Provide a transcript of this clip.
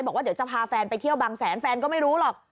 บอกว่าเดี๋ยวจะพาแฟนไปเที่ยวบางแสนแฟนก็ไม่รู้หรอก